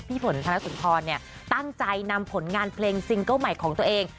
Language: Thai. ฝนธนสุนทรตั้งใจนำผลงานเพลงซิงเกิ้ลใหม่ของตัวเอง